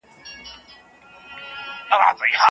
اورېدل په هر ځای کې تر لیکلو ممکن دي.